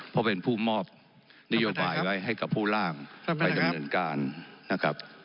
เพราะเป็นผู้มอบนโยบายไว้ให้กับผู้ร่างไปดำเนินการนะครับ